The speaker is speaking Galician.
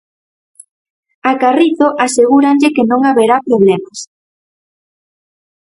A Carrizo asegúranlle que non haberá problemas.